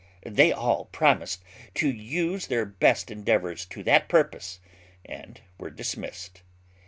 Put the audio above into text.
They all promised to use their best endeavours to that purpose, and were dismissed.